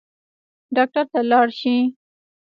ډاکټر ته لاړ شئ